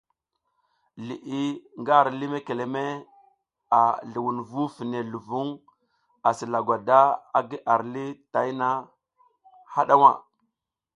Liʼi nga ar lih mekeleme a zluwunvu fine luvuŋ asi lagwada agi ar lih tayna haɗa nha.